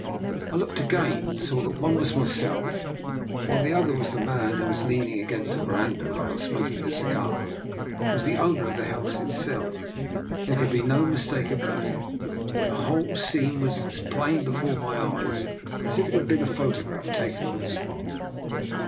I looked again, and saw that one was my self, while the other, the man who was lean ing against the verandah rail smoking a cigar, was the owner of the house itself. There could be no mistake about it. The whole scene was as plain before my eyes as if it had been a photograph taken on the spot.